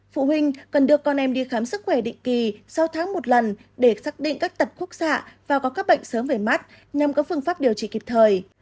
phụ huynh cần đưa con em đi khám sức khỏe định kỳ sáu tháng một lần để xác định các tật khúc xạ và có các bệnh sớm về mắt nhằm có phương pháp điều trị kịp thời